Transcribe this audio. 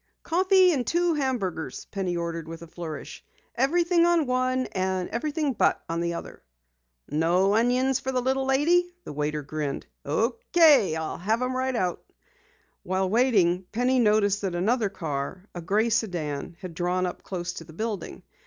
"Coffee and two hamburgers," Penny ordered with a flourish. "Everything on one, and everything but, on the other." "No onions for the little lady?" the waiter grinned. "Okay. I'll have 'em right out." While waiting, Penny noticed that another car, a gray sedan, had drawn up close to the building.